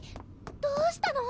どうしたの？